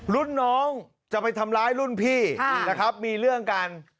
รุ่นน้องจะไปทำร้ายรุ่นพี่นะครับมีเรื่องกัน